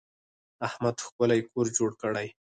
احمد ښکلی کور جوړ کړی.